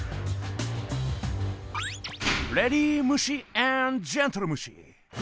レディムシアーンドジェントルムシ！